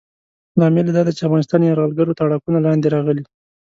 لامل یې دا دی چې افغانستان یرغلګرو تاړاکونو لاندې راغلی.